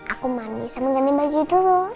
aku mandi sama ganti baju dulu